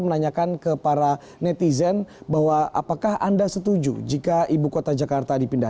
menanyakan ke para netizen bahwa apakah anda setuju jika ibu kota jakarta dipindah